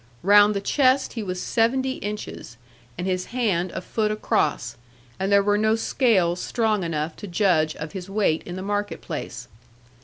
Round the chest he was seventy inches, and his hand a foot across, and there were no scales strong enough to judge of his weight in the market place.